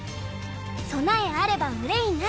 備えあれば憂いなし。